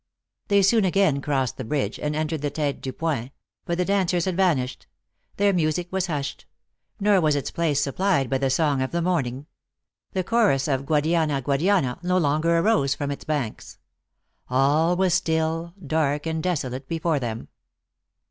They soon again crossed the bridge, and entered the tcte du point but the dancers had vanished ; their music was hushed ; nor was its place supplied by the song of the morning. The chorus of "Guadiana Guadiana," no longer arose from its banks. All w r as still, dark and desolate before them.